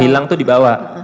hilang itu di bawah